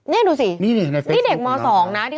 นี่ดูสินี่เด็กม๒นะ